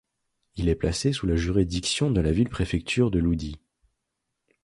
Il est placé sous la juridiction de la ville-préfecture de Loudi.